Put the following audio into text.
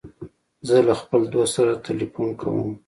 زه له خپل دوست سره تلیفون کوم.